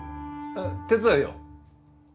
手伝うよ。